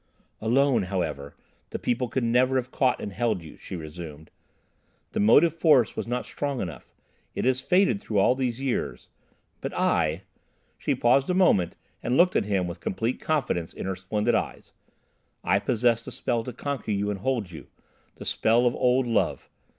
"Alone, however, the people could never have caught and held you," she resumed. "The motive force was not strong enough; it has faded through all these years. But I"—she paused a moment and looked at him with complete confidence in her splendid eyes—"I possess the spell to conquer you and hold you: the spell of old love.